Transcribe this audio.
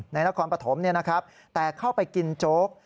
นครปฐมแต่เข้าไปกินโจ๊ก